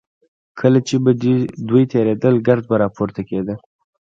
کله چې به دوی تېرېدل ګرد به راپورته کېده.